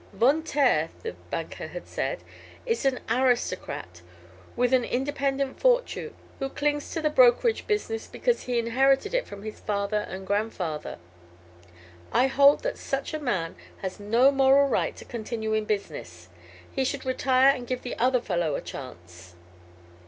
"Von Taer," the banker had said, "is an aristocrat with an independent fortune, who clings to the brokerage business because he inherited it from his father and grandfather. I hold that such a man has no moral right to continue in business. He should retire and give the other fellow a chance."